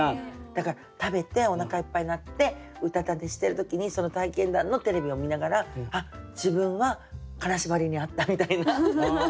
だから食べておなかいっぱいになってうたた寝してる時にその体験談のテレビを見ながら自分は金縛りに遭ったみたいな。